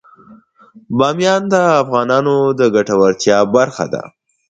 بامیان د افغانانو د ګټورتیا برخه ده.